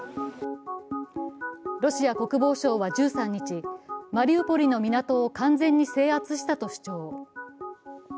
ロシア国防省は１３日、マリウポリの港を完全に制圧したと主張。